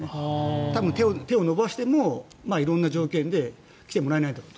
多分、手を伸ばしても色んな条件で来てもらえないと。